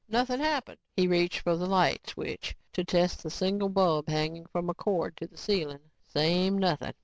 Nothing happened. He reached for the light switch to test the single bulb hanging from a cord to the ceiling. Same nothing.